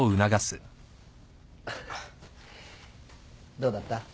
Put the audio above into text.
どうだった？